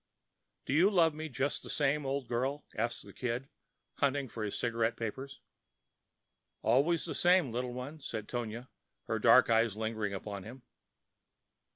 "Do you love me just the same, old girl?" asked the Kid, hunting for his cigarette papers. "Always the same, little one," said Tonia, her dark eyes lingering upon him.